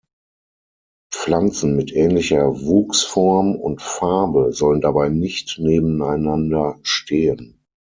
Pflanzen mit ähnlicher Wuchsform und Farbe sollen dabei nicht nebeneinander stehen.